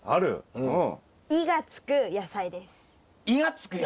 うん。